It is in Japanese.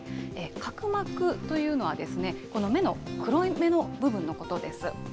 角膜というのは、この目の黒目の部分のことです。